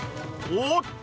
［おーっと！］